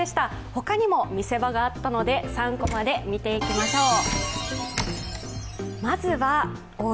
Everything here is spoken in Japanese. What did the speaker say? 他にも見せ場があったので、「３コマ」で見ていきましょう。